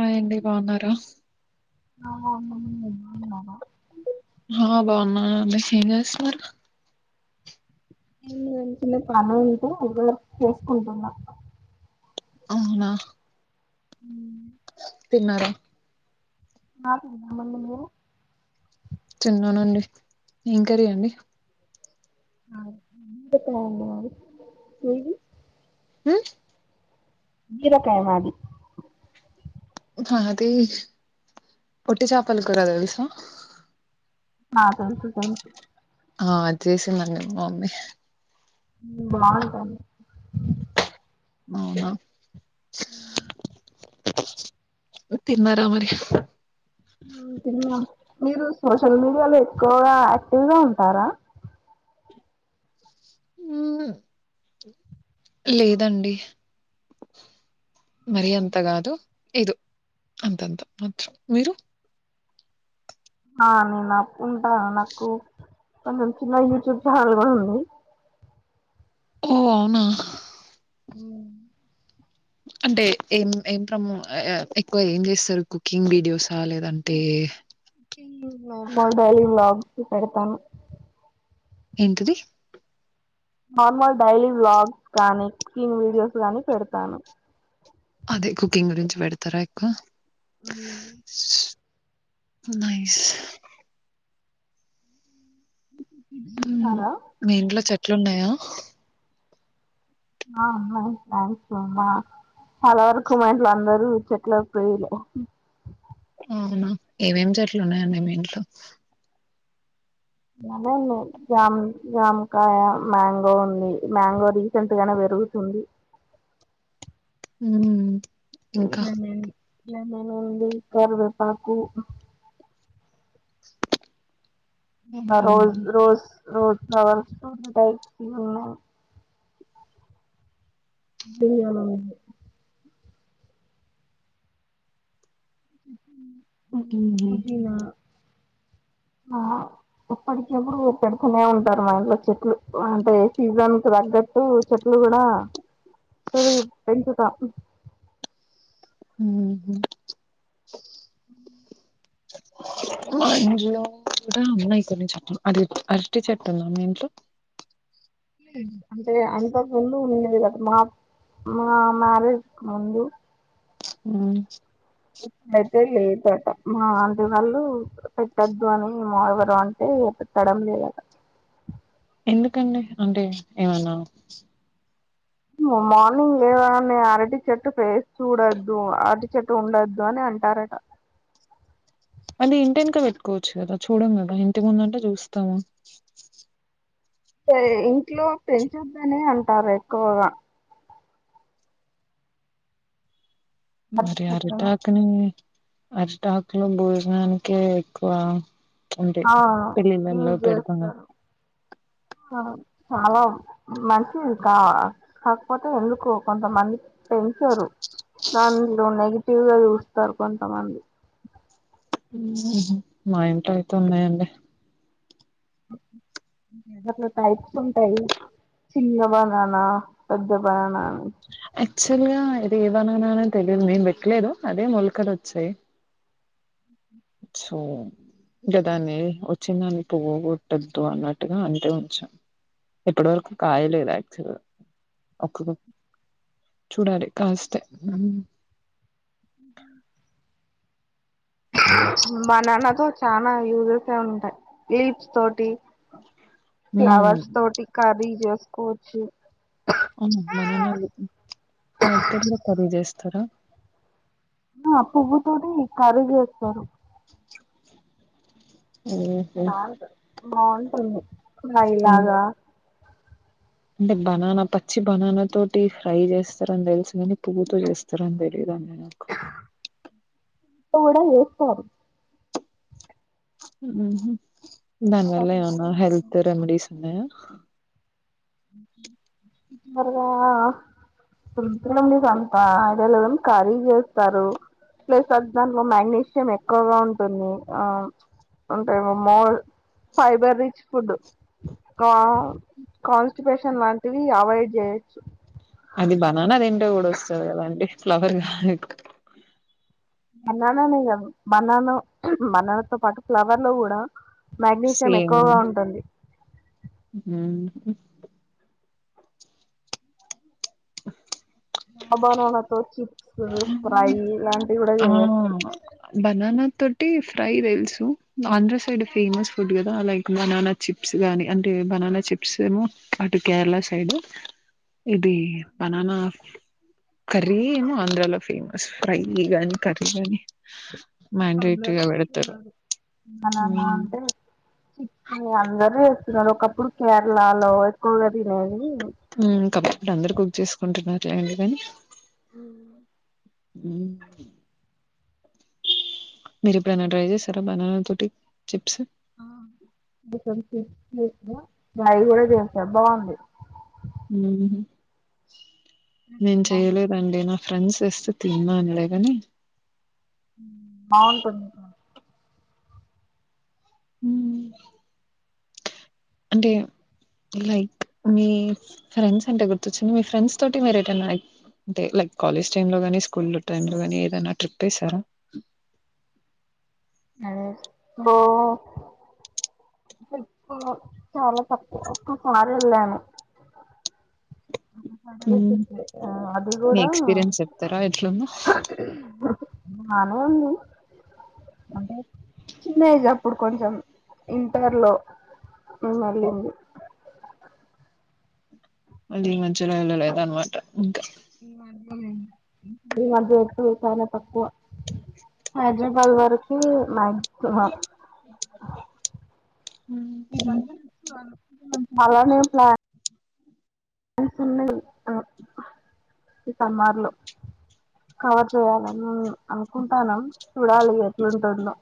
ఆ ఏడి బావున్నారా ఆ బాగున్నామ్ హా బాగున్నానండి ఏం చేస్తున్నారు [unintelligible] చేసుకుంటున్నా అవునా తిన్నారా [unintelligible] తిన్నానండి ఏం కర్రీ అండి [unintelligible] హూ బీరకాయ మాది మాది వట్టిచాపల కూర తెల్సా ఆ తెలుసు తెలుసు ఆ అద్ చేసిందండి మా మమ్మీ హుమ్మ్ బాగుంటది అవునా ఉమ్మ్ తిన్నారా మరి హుమ్మ్ తిన్న మీరు సోషల్ మీడియాలో ఎక్కువగా యాక్టివ్ గా ఉంటారా హుమ్మ్ లేదండి మరి అంత కాదు ఎదో అంతంత మాత్రం మీరు ఆ నేను అప్పు ఉంటాను నాకు కొంచెం చిన్న యూట్యూబ్ ఛానెల్ కూడా ఉంది ఓ అవునా హుమ్ అంటే ఏం ఏం ప్రమోట్ ఏ ఎక్కువ ఏం చేస్తారు cooking videos cooking cooking [unintelligible] vlog పెడతాను ఏంటది నార్మల్ డైలీ వ్లాగ్స్ కానీ కుకింగ్ వీడియోస్ గానీ పెడతాను అదే కుకింగ్ గురించి పెడతారా ఎక్కువ హుమ్మ్ నైస్ న్నారా మీ ఇంట్లో చేట్ ట్లున్నాయా మా మా చాలా వరకు మా ఇంట్లో అందరూ చెట్ల ప్రియులే అవునా ఏవేం చెట్లు ఉన్నాయండి మీ ఇంట్లో అదేండి జామ్ జామకాయ మాంగో ఉంది మాంగో రీసెంట్ గానే పెరుగుతుంది హుమ్ హు హుమ్ మేమూ ఇది కరివేపాకు ఆ హుహు. రోజ్ రోస్ రోజ్ కవర్స్ ఉంటయ్ ఆ తియాల అవ్ కిందనా పుదీనా ఆ ఎప్పటికపుడు పెడుతూనే ఉంటారు మా ఇంట్లో చెట్లు అంటే సీజన్ తగ్గట్టు చెట్లు గుడా సరిగా పెంచుతా హుమ్ ఇంట్లో కూడా ఉన్నాయి కొన్ని చెట్లు అది అరటి చెట్టు ఉందా మీఇంట్లో అంటే అంతకు ముందు ఉండేది అప్ మా మా మ్యారేజ్ కు ముందు మ్మ్ అయితేలే మా ఆంటి వాళ్ళు పెట్టొద్దు అని మా ఎవరో అంటే పెట్టడం లేదట ఎందుకండి అంటే ఏమన్నా మార్నింగ్ లేవగానే అరటి చెట్టు పేస్ చూడొద్దు అరటి చెట్టు ఉండొద్దు అని అంటారట అంటే ఇంటి వెనక పెట్టుకోవచ్చు కదా చూడం కదా ఇంటి ముందంటే చూస్తాము సరే ఇంట్లో పెంచొద్దనే అంటారు ఎక్కువగా అరటి మరి చెట్లను ఆరిటాకుని అరిటాకులో భోజనానికే ఎక్కువ అంటే ఆ పెళ్ళిళ్ళలో యూజ పెడతాం కదా జేస్తారు ఆ చాలా మంచిది కా కాకపోతే ఎందుకో కొంతమంది పెంచరు నన్ను ఉన్నగి టివ్ గా చూస్తారు కొంతమంది మా ఇంట్లో అయితే ఉన్నాయండి దాంట్ల టైప్స్ ఉంటాయి చిన్న బనానా పెద్ద బనానా అని యాక్చువల్ గా ఇది ఏ బనానానో తెలియదు మేము వెట్టలేదు అదే మొలికలు వచ్చాయి సో ఇంకా దాన్ని వచ్చిన దాన్ని పోగగొట్టద్దు అన్నట్టుగా అంటే ఉంచాం ఇప్పటి వరకు కాయలేదు యాక్చువల్ ఒక్క చూడాలి కాస్తే బనానా తో చనా యూజెసే ఉంటాయి లీప్స్ తోటి హ్మ్. ఫ్లవర్స్ తోటి కర్రీ జేస్ కోచి అవును. బనానాలు వాటితో గూడా కర్రీ జేస్తారా? ఆ పువ్వు తోటి కర్రీ చేస్తారు ఉహు బావుంటుంది ఫ్రై లాగా అంటే బనానా పచ్చి బనానా తోటి ఫ్రై చేస్తారని తెలుసు కాని పువ్వుతో చేస్తారని తెలిదండి పప్పు కూడా చేస్తారు ఊహూ దాని వల్ల ఏమన్నా హెల్త్ రెమెడీస్ ఉన్నాయా గా సంత అంత ఐడియా లేదని కఖర్రీ చేస్తారు ప్లస్ అ దాంట్లో మ్యాగ్నీషియం ఎక్కువగా ఉంటుంది ఆ ఉంటాయిమో మో ఫైబర్ రిచ్ ఫుడ్ కాన్స్టిబేషన్ లాంటివి అవాయిడ్ చేయొచ్చు అది బనానా తింటే కూడా వస్తుంది కదా అండి ఫ్లవర్ గా బనానానే కాదు బనాను బనానా తో పాటు ఫ్లవర్ లో కూడా మ్యాగ్నీషియం సేమ్ ఎక్కువగా ఉంటుంది హ్మ్ ఆ బనానాతోచ్చి స ప్రై ఇలాంటి వి కూడా ఆ చేయచ్చు బనానా తోటి ఫ్రై తెలుసు ఆంధ్ర సైడ్ ఫేమస్ ఫుడ్ కదా లైక్ బననా చిప్స్ గాని అంటే బననా చిప్స్ ఏమో అటు కేరళ సైడ్ ఇది బనానా కర్రీ ఏమో ఆంధ్రలో ఫేమస్ ఫ్రై గాని కర్రీగాని అందరు బననా హ్మ్ అంటే చి అందరు చేస్తున్నారు ఒకప్పుడు కేరళలో ఎక్కువగా తినది హ్మ్ కాబట్టి అందరు కుక్ చేసుకుంటున్నారు లెండి గని హ్మ్ మీరు ఇప్పుడన్న ట్రై చేసిరా బననా తోటి చిప్స్ [inaudible] బయి కూడా చేస్తారు బాగుంది హ్మ్ నేను చెయలేదండి నా ఫ్రెండ్స్ ఇస్తే తిననులే గాని హ్మ్ బాగుంటుంది హ్మ్ అంటే లైక్ మీ ఫ్రెండ్స్ అంటే గుర్తొచ్చింది మీ ఫ్రెండ్స్ తోటి మీరు ఎటైనా అంటే లైక్ కాలేజ్ టైం లో గాని స్కూల్ టైం లో గాని ఏదైనా ట్రిప్ వేసారా బో అసల్ చాలా తక్కువ ఒకసారి వెళ్ళాను హ్మ్ [unintelligible] అది మీ కూడా ఎక్స్పీరియన్స్ చెప్తారా ఎట్లుందో? బానే ఉంది అంటే చిన్న ఏజ్ అప్పుడు కొంచెం ఇంటర్ లో వెళ్ళింది అది మంచిలో ఉండలేదు అనమాట ఇంకా ఈ మాత్రం [unintelligible] చాలా తక్కువ హైదరాబాద్ వరకు మంక్ మంక్ హ్మ్ [unintelligible] మళ్ళ నేను ప్లా ఇస్తున్నాయ్ ఈ కర్మార్లు కవర్ చేయాల నేను అనుకుంటాను చూడాలి ఎట్లుంటుందో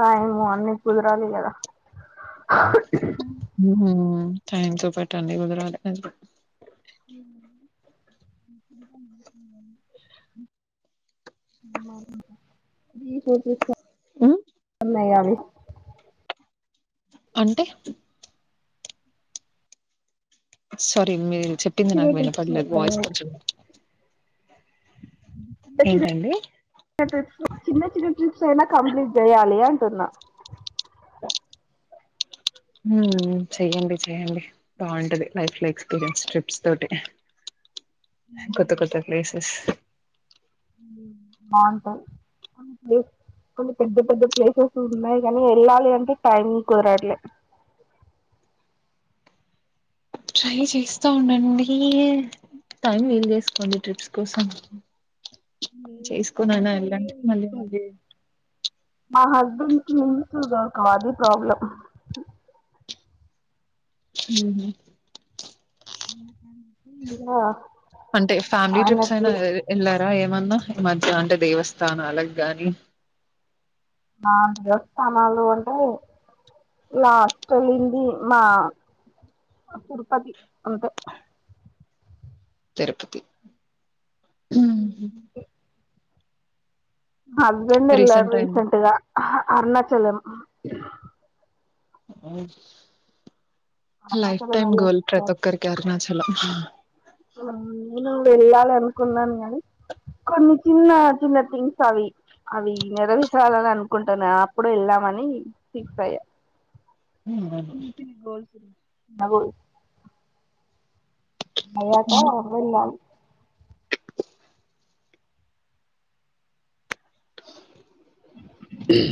టైం అన్ని కుదరాలి కదా [unintelligible] టైం తో పాటి అన్ని వివరాలు [unintelligible] హ్మ్ అయది అంటే సరీ మీ చెప్పింది నాకు వినపడలేదు వాయిస్ కొంచెం చి చి ఏంటండి? ట్రిప్స్ చిన్న చిన్న ట్రిప్స్ అయినా కంప్లీట్ చేయాలియా సన్నా హ్మ్మ్ చెయ్యండి చెయ్యండి బాగుంటది లైఫ్ లో ఎక్స్పీరియన్స్ ట్రిప్స్ తోటి కొత్త కొత్త ప్లేసెస్ బాగుంటాయి కొ ప కొన్ని పెద్ద పెద్ద ప్లేసెస్ ఉన్నాయి కానీ వెళ్ళాలి అంటే టైం కుదరట్లే ట్రై చేస్తా ఉండండి టైం వేల్ చేసుకోండి ట్రిప్స్ కోసంకో కొనైనా వెళ్ళండి మళ్ళీ మళ్ళీ మా హస్బెండ్ కి మంచు గరక అదే ప్రాబ్లం ఉహు ంద అంటే ఫ్యామిలీ ట్రిప్స్ అయానికి అయినా ఎళ్ళారా ఏమన్నా ఈ మధ్య అంటే దేవస్థానాలకు గాని మా దేవస్థానాలు అంటే ఇలాస్టలింది మా తిరుపతి అంటే తిరుపతి హ్మ్ హస్బెండ్ ఎల్లారు రీసెంట్ టైమ్ రీసెంట్గా అరుణాచలం ఆ ఆవు లైఫ్ అరుణాచలం టైమ్ గోల్ వెళ్ళేసొచ్చారు పటొక్కరికి అరుణాచలం నేను వెళ్ళాలి అనుకున్నాను గాని కొన్ని చిన్న చిన్న థింగ్స్ అవి అవి నెరవేరళని అనుకు కుంటున్నా అప్పుడు వెళ్ళామని ఫిక్స్ అయ్యా మ్మ్ అబ అయకా వెళ్దాం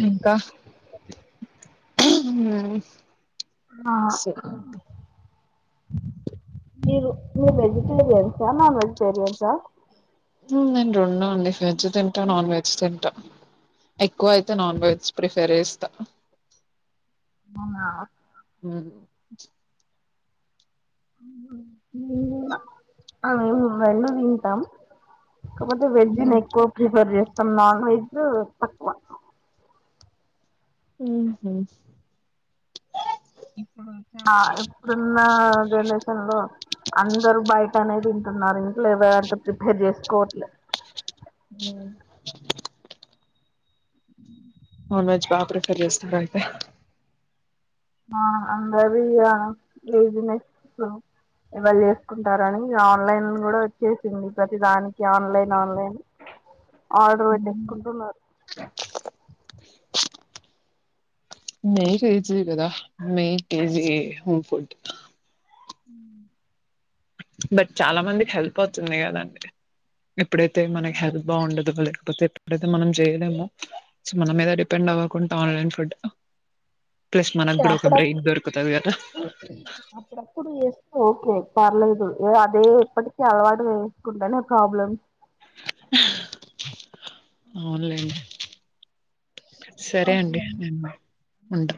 ఇంకా హ్మ్ ఆ మీరు మీరు వెజిటేరియన్సా నాన్ వెజిటేరియన్సా మ్ మేమ్ రెండు అండి వెజ్ తింటా నాన్ వెజ్ తింటా ఎక్కువ అయితే నాన్ వెజ్ ప్రిఫెర్ చేస్తా ఆవునా హ్మ్ [unintelligible] ఆ మేము తింటాం కాకపోతే వెజ్ ను ఎక్కువ ప్రిఫర్ చే సం నాన్ వెజ్ తక్కువ మ్ హుమ్ ఇప్పుడున్న జనరేషన్ లో అందరు బయట టనే తింటున్నారు లేవయ అంటే ప్రిపేర్ చేస్త [unintelligible] హ్మ్ నాన్ వెజ్ బా ప్రిఫర్ చేస్తారా అయితే ఆ అందరు ఇయ్యాల లేజినెస్ ఇలా చేసుకుంటారని ఆన్ లైన్ కూడా వచ్చేసింది ప్రతి దానికి online online order పెట్టేసుకుంటున్నారు మీకి ఈజీ యె కదా మీకి ఈజీ ఈ హోమ్ ఫుడ్ అ బట్ చాలా మందికి హెల్ప్ అవుతుంది కదండి ఎప్పుడైతే మనకి హెల్త్ బాగుండదు బలె కాకపోతే ఎప్పుడైతే మనం చేయలేమో మన మీద డిపెండ్ అవ్వకుండా ఆన్లైన్ ఫుడ్ ప్లస్ మనగ్గూడ ఒక బ్రేక్ దొరుకుతాది కద అప్పుడప్పుడు చేస్తే ఓకే పర్లేదు ఏ అదే ఎప్పటికి అలవాటు చేసుకుంటనే ప్రాబ్లెం హా అవున్లెండి సరే అండి నేను ఉంట